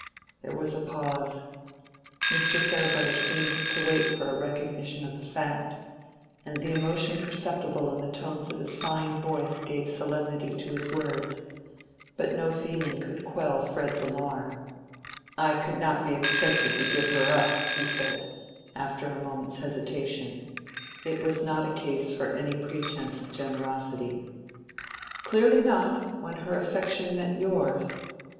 There was a pause. Mr. Farebrother seemed to wait for a recognition of the fact; and the emotion perceptible in the tones of his fine voice gave solemnity to his words. But no feeling could quell Fred's alarm. "I could not be expected to give her up," he said, after a moment's hesitation: it was not a case for any pretence of generosity. "Clearly not, when her affection met yours.